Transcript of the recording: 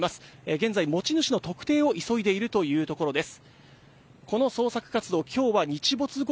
現在、持ち主の特定を急いでいるというところです。